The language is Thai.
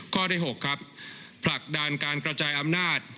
ข้อที่๖ครับผลักดันการกระจายอำนาจ